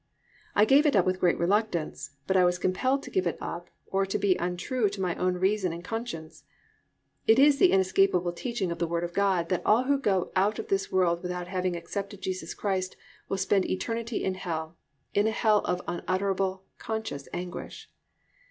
I gave it up with great reluctance, but I was compelled to give it up or be untrue to my own reason and conscience. It is the inescapable teaching of the Word of God that all who go out of this world without having accepted Jesus Christ, will spend eternity in hell, in a hell of unutterable, conscious anguish.